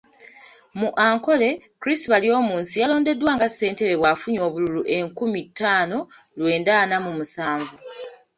Mu Ankole, Chris Baryomunsi yalondeddwa nga Ssentebe bw'afunye obululu enkumi ttaano lwenda ana mu musanvu.